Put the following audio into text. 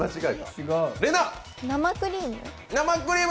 生クリーム？